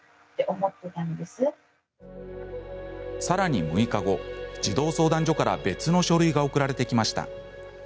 さらに６日後、児童相談所から別の書類が送られてきました。